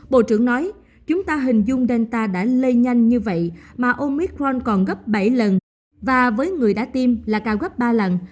bộ trưởng nói chúng ta hình dung delta đã lây nhanh như vậy mà omitron còn gấp bảy lần và với người đã tiêm là cao gấp ba lần